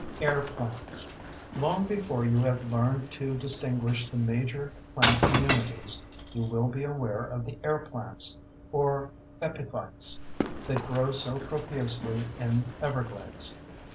Air Plants Long before you have learned to distinguish the major plant communities, you will be aware of the air plants—or epiphytes—that grow so profusely in Everglades.